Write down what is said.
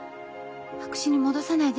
白紙に戻さないで」